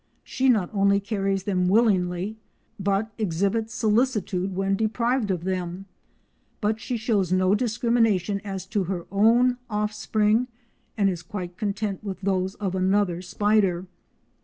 She not only carries them willingly, but exhibits solicitude when deprived of them, but she shows no discrimination as to her own offspring, and is quite content with those of another spider.